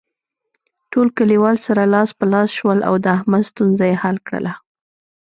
ټول کلیوال سره لاس په لاس شول او د احمد ستونزه یې حل کړله.